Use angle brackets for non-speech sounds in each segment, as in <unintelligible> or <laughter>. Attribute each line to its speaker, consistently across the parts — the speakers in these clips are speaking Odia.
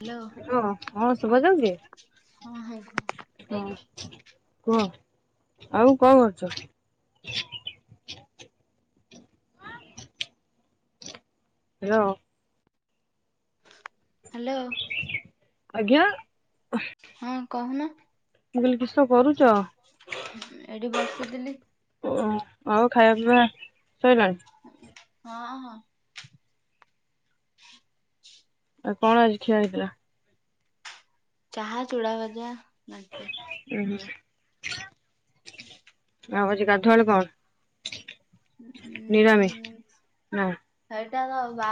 Speaker 1: ହ୍ୟାଲୋ
Speaker 2: ହଁ ହଁ ହଁ ଶୁଭ ଯାଉଛି
Speaker 1: ହଁ ହଁ
Speaker 2: ହଁ। କୁହ ଆଉ କଣ କରୁଛ? ର।
Speaker 1: ହାଲୋ।
Speaker 2: ଆଜ୍ଞା।
Speaker 1: ହଁ କହୁନ।
Speaker 2: ମୁଁ କହିଲି କିଷ କରୁ
Speaker 1: ଏଇଠି ବସିଥିଲି।
Speaker 2: ଓ ଅଁ। ଆଉ ଖାଇବା ପିଇବା ସଇଲାଣି?
Speaker 1: ହଁ ହଁ।
Speaker 2: ଆଉ କଣ ଆଜି ଖିଆ ହେଇଥିଲା?
Speaker 1: ଚାହା ଚୁଡ଼ା ଭଜା। ନାଠିଆ।
Speaker 2: ଉୁଁ ହୁଁ ଆଉ ଆଜି ଗାଧୁଆଳୁ କଣ? ନିରାମି ହଁ।
Speaker 1: ଏଟା ତ ବା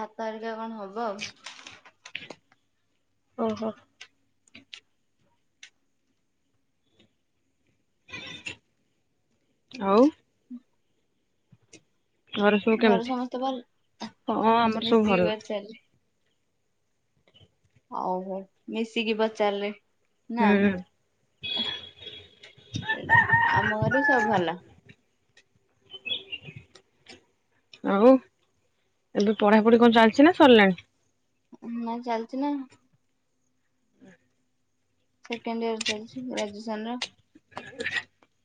Speaker 1: ଭାତ ଆରିକ କଣ ହବ ଆଉ
Speaker 2: ଓହୋ। ଆଉ। ଘର ସବୁ
Speaker 1: ଘରେ
Speaker 2: କେମିତି
Speaker 1: ସମସ୍ତେ ଭଲ
Speaker 2: ହଁ ଆମର ସବୁ
Speaker 1: ମିଶିକି
Speaker 2: ଭଲ
Speaker 1: ପଚାରିଲେ ଆଉ ମିେସି କି ବ ଚାରେ ନା
Speaker 2: ହୁଁ
Speaker 1: ସେଟା ଆମ ଘରେ ବି ସବୁ ଭଲ।
Speaker 2: ଆଉ ଏବେ ପଢାପଢି କଣ ଚାଲିଛି ନା ସରିଲଣି
Speaker 1: ନା ଚାଲିଛି ନା
Speaker 2: ହୁଁ।
Speaker 1: ସେକେଣ୍ଡ ଇର ଚାଲିଛି ଗ୍ରାଜୁଏସନ ର
Speaker 2: <inaudible>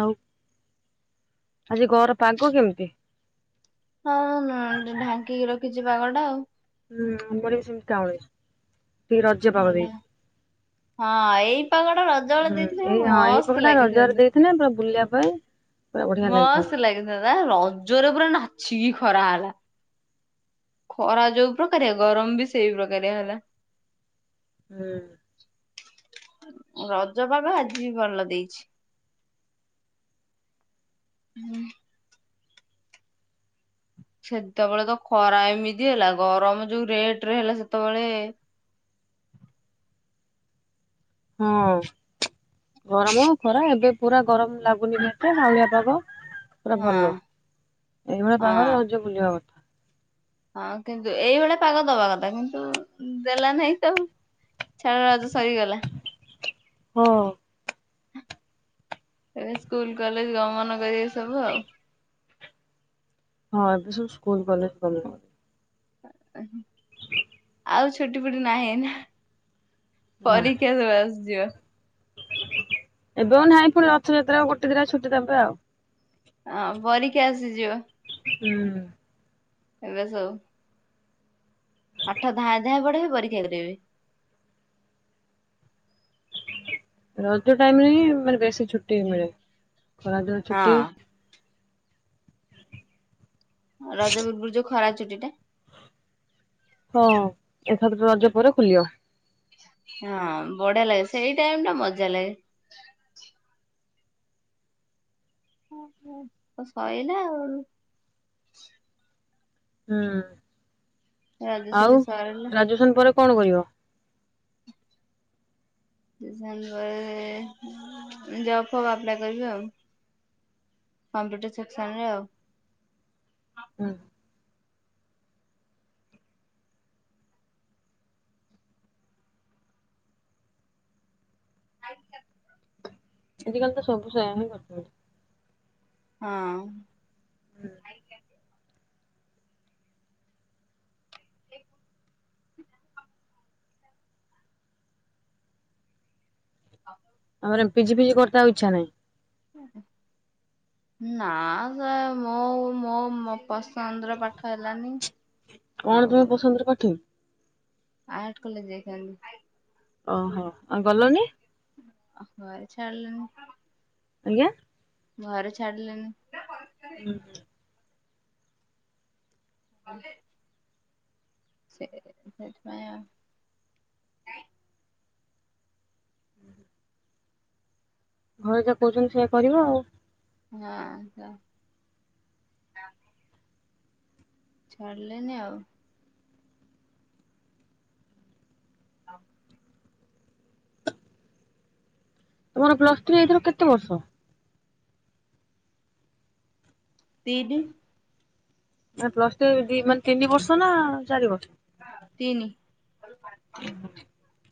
Speaker 2: ଆଉ ଆଜି ଘର ପାଗ କେମିତି
Speaker 1: ହଁ ଢାଙ୍କିକି ରଖିଛି ପାଗ ଟା ଆଉ
Speaker 2: ହୁଁ ବଢଆ ଚିନ୍ତା ଭଳିଆ
Speaker 1: ହଁ ଏଇ ପାଗ ଟା ରଜ ବଳ
Speaker 2: ହୁଁ
Speaker 1: ଦେଇଥିଲେ
Speaker 2: ଏଇ
Speaker 1: ମସ୍ତ ଲାଗିଥାନ୍ତା।
Speaker 2: ହାଇ
Speaker 1: ମସ୍ତ୍ ଲାଗିଆ ରଜରେ ପୁରା ନା ଛିି ଖରା ହେଲା। ଖରା ଯୋଉ ପ୍ରକାର ଗରମ ବି ସେଇ ପ୍ରକାର ହେଲା।
Speaker 2: ହୁଁ।
Speaker 1: ରଜ ବାଗ ଆଜି ବି ଭଲ ଦେଇଛି ହଁ। ସେତେବେଳେ ତ ଖରା ଏମିତି ହେଲା ଗରମ ଯୋଉ ରେଟ ରେ ହେଲା ସେତେବେଳେ
Speaker 2: ହଁ ଗରମ ଖରା ଏବେ ପୁରା ଗରମ ଲାଗୁନି ଏତେ ପାଉଳିଆ ପାଗ ପୁରା
Speaker 1: ହଁ
Speaker 2: ଭଲ ଏଇଭଳିଆ ପାଗରେ
Speaker 1: ହଁ
Speaker 2: ରଜ ବୁଲିବା କଥା
Speaker 1: ହଁ କିନ୍ତୁ ଏଇଭଳି ପାଗ ଦବା କଥା କିନ୍ତୁ ଦେଲ ନାହିଁ ତ ଛାଡ ସରିଗଲା
Speaker 2: ହଁ।
Speaker 1: ଏବେ ସ୍କୁଲ କଲେଜ ଗମନଗର ସବୁ ଆଉ।
Speaker 2: ପ ସବୁ ସ୍କୁଲ କଲେଜ ଖୋଲ
Speaker 1: ଉହୁଁ। ଆଉ ଛୋଟି ପଟି ନାହିଁ ନା
Speaker 2: ନା
Speaker 1: ପରକ୍ଷା ଦେବେ ଆସିଯିବ।
Speaker 2: ଏବେ ଆ ନାହିଁ ପୁଣି ରଥଯାତ୍ରା ଗୋଟେ ଦିନ ଛୁଟି ଦେବେ ଆଉ।
Speaker 1: ହଁ ପରିକି ଆସିଯିବ
Speaker 2: ହୁଁ।
Speaker 1: ଏବେ ସବୁ ପାଠ ଦାଏଁ ଦାଏଁ ପଢବି ପରୀକ୍ଷା କରିବେ।
Speaker 2: ରଜ ଟାଇମରେ ହିଁ ମାନେ ବେଶୀ ଛୁଟି ମିଳେ ଖରାଦିନ ଛୁଟି
Speaker 1: ହଁ ରଜବୀରବୁର ଯୋଉ ଖରା ଚୁଟି ଟା?
Speaker 2: ହଁ ଏଥର ରଜ ପରେ ଖୋଲିବ।
Speaker 1: ହଁ ବଢିଆ ଲାଗେ ସେଇ ଟାଇମ ଟା ମଜା ଲାଗେ। ଓ ସଇଲା ଆଉ।
Speaker 2: ହୁଁ।
Speaker 1: ରଜ ଛୁଟି
Speaker 2: ଆଉ
Speaker 1: ସରିଲା
Speaker 2: ଗ୍ରାଜୁଏସନ ପରେ କଣ କରିବ?
Speaker 1: ଡିସେମ୍ବର ଜବ୍ ଫବ ଆପ୍ଲାଏ କରିବି ଆଉ କମ୍ପ୍ୟୁଟର ସେକ୍ସନ ରେ ଆଉ।
Speaker 2: ହୁଁ।
Speaker 1: ଆଜ୍ଞା।
Speaker 2: ଆଜି କାଲି ତ ସବୁ ସେୟା ହିଁ କରିଛନ୍ତି।
Speaker 1: ହଁ। <inaudible> <inaudible>
Speaker 2: ମ ପିଜି ଫିଜି କରି ଇଚ୍ଛା ନାହିଁ।
Speaker 1: <inaudible> ନା ସେ ମୋ ମୋ ମୋ ପସନ୍ଦର ପାଠ ହେଲାନି।
Speaker 2: କଣ
Speaker 1: ଆଉ
Speaker 2: ତୋର ପସନ୍ଦର ପାଠ?
Speaker 1: ଆର୍ଟ କଲେଜ ଯାଇଥାଆନ୍ତି।
Speaker 2: ଓହୋ। ଆ ଗଲନି?
Speaker 1: ଆ ଘରେ ଛାଡ଼ିଲେନି
Speaker 2: ଆଜ୍ଞା।
Speaker 1: ଘରେ ଛାଡ଼ିଲେନି <inaudible> <inaudible>
Speaker 2: ଘରେ ଯାହା କହୁଛନ୍ତି ସେ କରିବ ଆଉ
Speaker 1: ହଁ। <inaudible> ଛାଡ଼ିଲେନି ଆଉ। ହଁ।
Speaker 2: ତମର ପ୍ଲସ ଥ୍ରୀ ଏଥର କେତେ ବର୍ଷ?
Speaker 1: ତିନି।
Speaker 2: ପ୍ଲସ ଟ ଦି ମାନେ ତିନି ବର୍ଷ ନା ଚାରି ବର୍ଷ?
Speaker 1: ତିନି।
Speaker 2: <inaudible>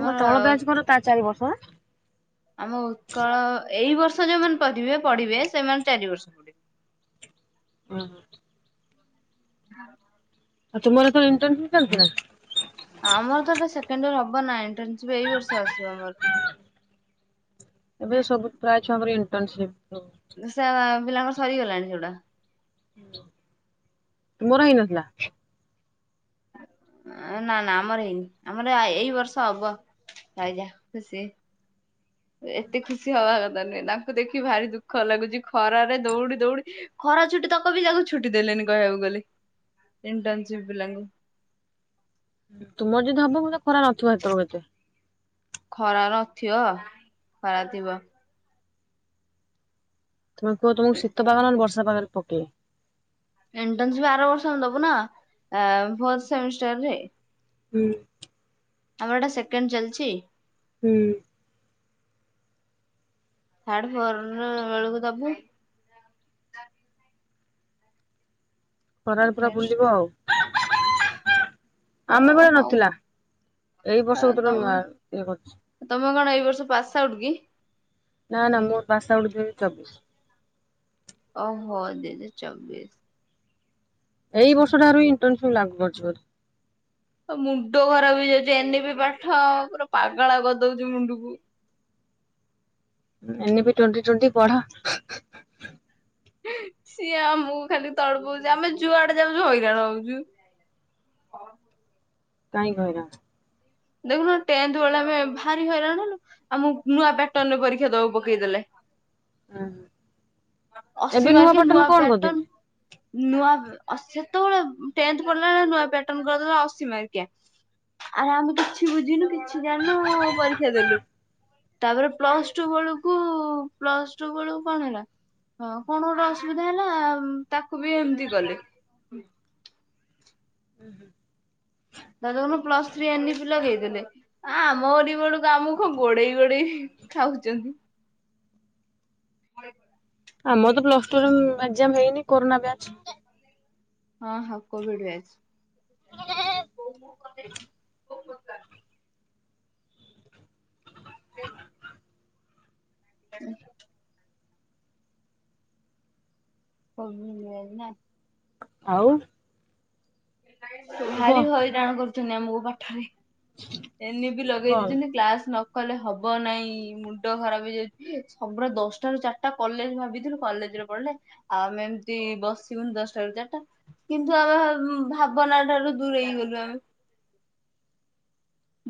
Speaker 2: ତୁମ ତଳ ବ୍ୟାଜ କର ତା ଚାରି ବର୍ଷ ନା
Speaker 1: ଆମ ଉତ୍କଳ ଏଇ ବର୍ଷ ଯୋଉମାନେ ପଢିବେ ପଢିବେ ସେମାନେ ଚାରି ବର୍ଷ ପଢିବେ
Speaker 2: ହଁ।
Speaker 1: <inaudible>
Speaker 2: ଆଉ ତୁମର ଏ ଇଣ୍ଟନଚାଲିଛି ନା?
Speaker 1: ଆମର ତ ଏ ସେକେଣ୍ଡ ୟର ହବ ନାଇଣ୍ ଇଣ୍ଟର୍ନସିପ୍ ଏଇ ବର୍ଷ ଆସ ଆମର
Speaker 2: ଏବେ ସବୁ ପ୍ରାୟ ଛୁଆଙ୍କର ଏ ଇଣ୍ଟର୍ନସିପ୍
Speaker 1: ଦ ସେ ପିଲାଙ୍କର ସରି ଗଲାଣି ସେଉଡା।
Speaker 2: <inaudible> ତୁମର ହେଇନଥିଲା।
Speaker 1: ନା ନା ଆମର ହେଇନି ଆମର ଏଇ ବର୍ଷ ହବ ଆ ଖୁସି। ଏତେ ଖୁସି ହବା କଥା ନୁହେଁ ତାଙ୍କୁ ଦେଖି ଭାରି ଦୁଃଖ ଲାଗୁଛି। ଖରାରେ ଦୌଡି ଦୌଡି ଖରା ଛୁଟି ତକ ବି ତାକୁ ଛୁଟି ଦେଲେନି କହିବାକୁ ଗଲେ ଇଣ୍ଟର୍ନସିପ୍ ପିଲାଙ୍କୁ।
Speaker 2: ତୁମର ଯଦି ହବ ମୋତେ ଖରା ନଥିବ ଏତବେଳକେ।
Speaker 1: ଖରା ନଥିବ ଖରା ଥିବ।
Speaker 2: ତୁମେ କୁହ ତମକୁ ଶୀତ ପାଗ ବରଷା <unintelligible>
Speaker 1: ଇଣ୍ଟର୍ନସିପ୍ ଆର ବର୍ଷ ଦବୁ ନା ଆ ଫୋର୍ଥ ସେମିଷ୍ଟର ରେ।
Speaker 2: ହୁଁ।
Speaker 1: ଆମର ଗୋଟା ସେକେଣ୍ଡ ଚାଲିଛି।
Speaker 2: ହୁଁ।
Speaker 1: ଥାଡ ଫୋର ବେଳକୁ ଦବୁ।
Speaker 2: ଖରାରେ ପୁରା ବୁଲିବ ଆଉ ଆମେ
Speaker 1: ହଉ
Speaker 2: ବେଳେ ନଥିଲା ଏଇ ବର୍ଷକୁତର
Speaker 1: ହଉ
Speaker 2: ନୂଆ ଇଏ କରୁଛି।
Speaker 1: ତମେ କଣ ଏଇ ବର୍ଷ ପାସ୍ ଆଉଟ କିି?
Speaker 2: ନା ନା ମୁଁ ବାସା ଗୋଟେ ଯି ଚବିଶ।
Speaker 1: ଓହୋ ଦିଦି ଚବିଶ।
Speaker 2: ଏଇ ବର୍ଷଟ ଇଣ୍ଟନସିପ ଲାଗୁ କରିଛି ବୋଧେ?
Speaker 1: ଆ ମୁଣ୍ଡ ଖରାପ ହେଇଯାଉଛି ଏନି ବି ପାଠ ପୁରା ପାଗଳା କରିଦଉଛି ମୁଣ୍ଡକୁ।
Speaker 2: ଏମିତି ଟ୍ୱଣ୍ଟି ଟ୍ୱଣ୍ଟି ପଢା?
Speaker 1: ସିଏ ଆମକୁ ଖାଲି ତଳ ପଉଛି ଆମେ ଯୁଆଡେ ଯାଉଛୁ ହଇରାଣ ହଉଛୁ। <inaudible>
Speaker 2: କାଇଁ ହଇରାଣ?
Speaker 1: ଦେଖୁନ ଟେନଥ ବେଳେ ଆମେ ଭାରି ହଇରାଣ। ଆମକୁ ନୂଆ ପାଟର୍ଣ ରେ ପରୀକ୍ଷା ଦବାକୁ ପକେଇ ଦେଲେ।
Speaker 2: <inaudible> ଓହୋ
Speaker 1: ଅଶୀ
Speaker 2: ଏବେ ନୂଆ
Speaker 1: ମାର୍କିଆ
Speaker 2: ପଟନ କଣ କରିବେ।
Speaker 1: ପ୍ୟାଟର୍ନ ନୂଆ ସେତେବେଳେ ଟେନଥ ପଢିଲା ବେଳେ ନୂଆ ପ୍ୟାଟର୍ଣ କରିଦେଲା ଅଶୀ ମାର୍କିଆ। ଆଉ ଆମେ କିଛି ବୁଝିନୁ କିଛି ଜାଣିନୁ ପରୀକ୍ଷା ଦେଲୁ। ତାପରେ ପ୍ଲସ ଟୁ ବେଳକୁ ପ୍ଲସ ଟୁ ବେଳକୁ କଣ ହେଲା। କଣ ଗୋଟେ ଅସୁବିଧା ହେଲା ତାକୁ ବି ଏମିତି କଲେ।
Speaker 2: ହୁଁ ହୁଁ।
Speaker 1: ତାର ପ୍ଲସ ଥ୍ରୀ ଏନି ପିଲା ଦେଇଦେଲେ। ଆମରି ବେଳକୁ ଆମକୁ ଗୋଡେଇ ଗୋଡେଇ ଖାଉଛନ୍ତି। <inaudible>
Speaker 2: ଆମର ତ ପ୍ଲସ ଟୁରେ ଏକ୍ସାଂ ହେଇନି କୋରନା ବ୍ୟାଚ।
Speaker 1: ହଁ ହଁ କୋଭିିଡ ବ୳୲ଚ। କହୁନ? <unintelligible> ବେଗ <inaudible> <unintelligible>
Speaker 2: ଆଉ କୁହ
Speaker 1: ସୁହାରି ହଇରାଣ କର ଏଇନା ମୋ ପାଠରେ ଏନି ବି ଲଗେଇକି
Speaker 2: କଣ?
Speaker 1: ଯିମି କ୍ଲାସ ନ କହିଲେ ହବ ନାଇଁ ମୁଣ୍ଡ ଖରାପ ହେଇଯାଉଛି। ସବୁ ଦଶଟ ରୁ ଚାରିଟା କଲେଜ ଭାବିଥିଲୁ କଲେଜରେ ପଢିଲେ। ଆଉ ଆମେ ଏମିତି ବସିବୁନି ଦଶଟ ରୁ ଚାରିଟା। କିନ୍ତୁ ଆମେ ଭାବନା ଠାରୁ ଦୂରେଇଗଲୁ ଆମେ। <inaudible>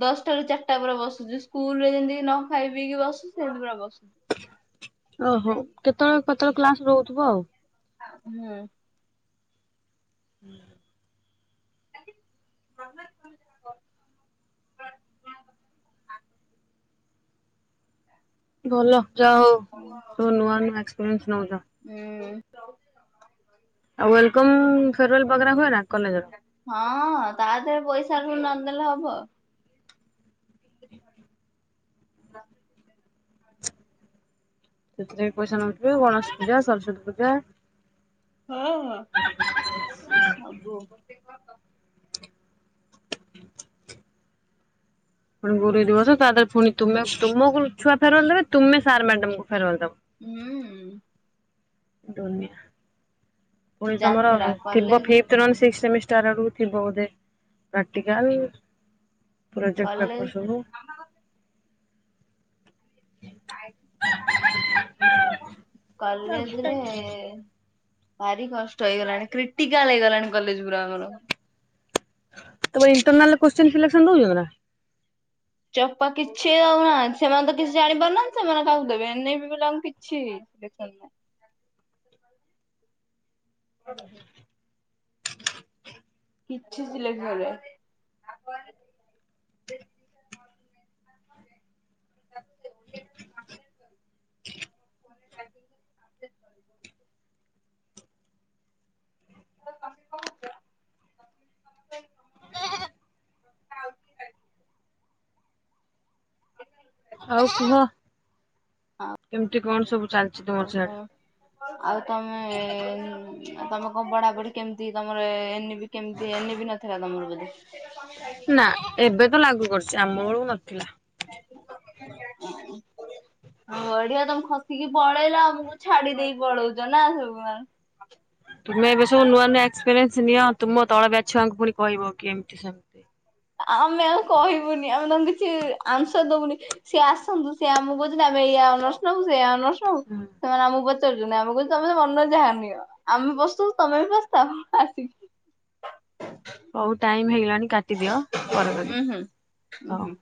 Speaker 1: ଦଶଟା ରୁ ଚାରିଟା ପରା ବସୁଛି ସ୍କୁଲ ରେ ଯେମିତିି ନ ଖାଇ ପିଇକି ବସୁ ସେମିତି ପୁରା ବସୁ।
Speaker 2: <inaudible> ଓହୋ କେତେବେଳେ ପତ୍ର କ୍ଲାସ ରହୁଥିବ ଆଉ।
Speaker 1: ହୁଁ।
Speaker 2: ହୁଁ।
Speaker 1: <unintelligible>
Speaker 2: ଭଲ। ଜା ହୋଉ ସବୁ ନୂଆ ନୂଆ ଏକ୍ସପ୍ରିନ୍ସ ନୋଉଚ।
Speaker 1: <unintelligible>
Speaker 2: ଆଉ ୱଲକମ୍ ଫେରୱଲ ପ୍ରୋଗ୍ରାମ ହୁଏ ନା କଲେଜ ର
Speaker 1: ହଁ ତା ଦେହରେ ପଇସା ନଦେଲେ ହବ।
Speaker 2: ସେଥିରେ ବି ପଇସା ନଉଥିବେ ଆଉକଣ ଗଣେଶ ପୂଜା ସରସ୍ଵତୀ ପୂଜା
Speaker 1: ହଁ ହଁ।
Speaker 2: ପୁଣି ଗୁରୁଦିବସ ତା ଦିହରେ ପୁଣି ତୁମେ ତୁମକୁ ଛୁଆ ଫେରୱାଲ ଦେବେ ତୁମେ ସାର ର୍ମ୍ୟାଡାମ କୁ
Speaker 1: ହୁଁ।
Speaker 2: <unintelligible> ପୁଣି ତମର
Speaker 1: ଯାତ୍ରା
Speaker 2: ଥିବ
Speaker 1: କଲେଜ
Speaker 2: ଫିଫଥ ରନ ସିକ୍ସ ସେମିସ ତାର ଥିବ ବୋଧେ ପ୍ରାକ୍ଟିକାଲ ପ୍ରୋଜେକ୍ଟ ପେପର
Speaker 1: କଲେଜ
Speaker 2: ସବୁ
Speaker 1: କଲେଜରେ ଭାରି କଷ୍ଟ ହେଇଗଲାଣି କ୍ରିଟିକାଲ ହେଇଗଲାଣି କଲେଜ ପୁରା ଆମର
Speaker 2: ତମର ଇଣ୍ଟରନାଲ କୋସଚିନ ସିଲେକ୍ସନ ଦଉଛନ୍ତି ନା?
Speaker 1: ଚୋପା କିଛି ଦଉନାହାନ୍ତି ସେମାନେ ତ କିଛି ଜାଣିପାରୁନାହାନ୍ତି ସେମାନେ କାହାକୁ ଦେବେ ଏନବି ପିଲାଙ୍କୁ କିଛି ଦେଇପାରୁ ନାହାନ୍ତି।
Speaker 2: ହୁଁ ହୁଁ <unintelligible>
Speaker 1: କିଛି ଥିଲେ ଘରେ <unintelligible> କମ <unintelligible>
Speaker 2: ଆଉ କୁହ କେମିତି କଣ ସବୁ? ଚାଲିଛି
Speaker 1: ଆଉ
Speaker 2: ତମର
Speaker 1: କଣ
Speaker 2: ସିଆଡ଼େ
Speaker 1: ଆଉ ତମେ ଏ ଏ ଆଉ ତମେ କଣ ପଢାପଢି କେମିତି ତମର ଏ ଏନିବି କେମିତି ଏ ଏନିବି ନଥିଲା ତମର ବୋଧେ
Speaker 2: ନା ଏବେତ ଲାଗୁଛି ବର୍ଷା ଆମ ବେଳୁକୁ ନ ଥିଲା।
Speaker 1: ବଢିଆ ତମେ ଖସିକି ପଳେଇଲ ଆମକୁ ଛାଡିଦେଇ ପଳଉଛ ନା ସବୁ ମ
Speaker 2: ତୁମେ ଏବେସବୁ ନୂଆ ନୂଆ ଏକ୍ସ ପାରେନସ ନିଆ ତୁମ ତଳ ବ୍ୟାଚ୍ ଛୁଆଙ୍କୁ ପୁଣି କହିବକି ଏମତି ସେମତି
Speaker 1: ଆମେ ଆଉ କହିବୁନି ଆମେ ତାଙ୍କୁ କିଛି ଆନ୍ସାର ଦବୁନି ସିଏ ଆସନ୍ତୁ ସିଏ ଆମକୁ କହୁଛନ୍ତି ଆମେ ଏଇଆ ଅନର୍ସ ନବୁ ସେଇଆ ଅନର୍ସ
Speaker 2: ହୁଁ
Speaker 1: ସେମାନେ ଆମକୁ ପଚ ଆମକୁ କହୁଛନ୍ତି ତମ ମନ ଯାହା ନିଅ ଆମେ ବସିଛୁ ତମେ ବି ବସିଥଆ ଆସି
Speaker 2: ହଉ ଟାଇମ ହେଇଗଲାଣି କାଟିଦିଅ ପରେ
Speaker 1: ଉଁ
Speaker 2: କରିବ।
Speaker 1: ହୁଁ ଉଁ ହୁଁ।